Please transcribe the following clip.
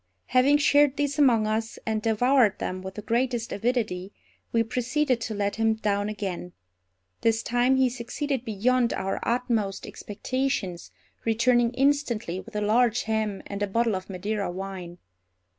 Having shared these among us, and devoured them with the greatest avidity, we proceeded to let him down again. This time he succeeded beyond our utmost expectations, returning instantly with a large ham and a bottle of Madeira wine.